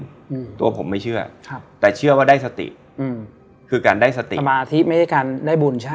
อืมตัวผมไม่เชื่อครับแต่เชื่อว่าได้สติอืมคือการได้สติสมาธิไม่ใช่การได้บุญใช่